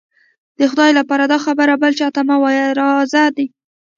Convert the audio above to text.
د خدای لهپاره دا خبره بل چا ته مه وايه، راز دی.